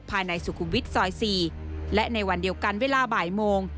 ภายในสุขุมวิทย์ซอย๔และในวันเดียวกันเวลาบ่ายโมง